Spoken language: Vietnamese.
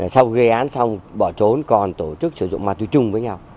sau gây án xong bỏ trốn còn tổ chức sử dụng ma túy chung với nhau